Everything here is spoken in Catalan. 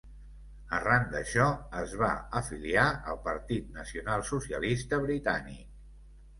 Arran d'això, es va afiliar al Partit Nacional Socialista britànic.